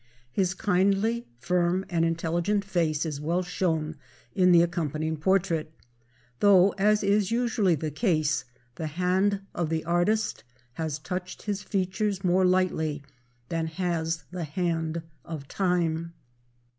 His kindly, firm, and intelligent face is well shown in the accompanying portrait, though, as is usually the case, the hand of the artist has touched his features more lightly than has the hand of time.